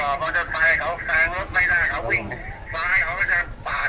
เราจะไข้เขาแสงรถไปน่าเขาวิ่งฝ้าเขาจะผ่าน